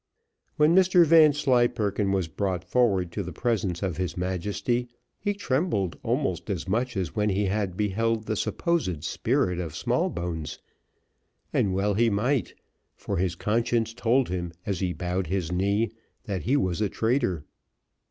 When Mr Vanslyperken was brought forward to the presence of his Majesty, he trembled almost as much as when he had beheld the supposed spirit of Smallbones, and well he might, for his conscience told him as he bowed his knee that he was a traitor.